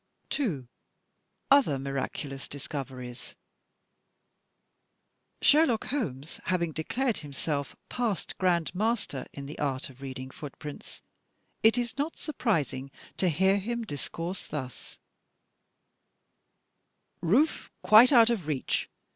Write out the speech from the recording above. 2. Oiher Miraculous Discoveries Sheriock Holmes, having declared himself Past Grand Master in the art of reading footprints, it is not surprising to hear him discourse thus: " Roof quite out of reach.